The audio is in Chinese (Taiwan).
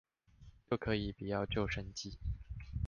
就可以不要舊生計